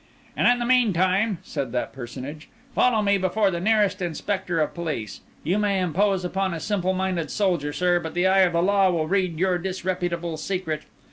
"And in the meantime," said that personage, "follow me before the nearest Inspector of Police. You may impose upon a simple minded soldier, sir, but the eye of the law will read your disreputable secret.